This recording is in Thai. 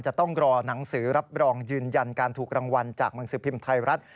จะต้องรอหนังสือรับรองยืนยันการถูกรางวัลจากหนังสือพิมพ์ไทยรัฐ